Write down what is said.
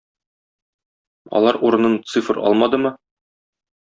Алар урынын "цифр" алмадымы?